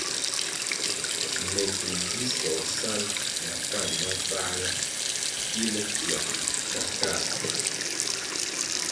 Me ki dzisoh sal na pan mafáhla kile tiãh ka kar.